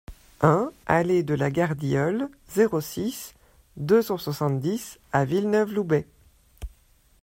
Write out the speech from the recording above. un allée de la Gardiole, zéro six, deux cent soixante-dix à Villeneuve-Loubet